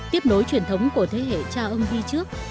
tiếp nối truyền thống của thế hệ cha ông đi trước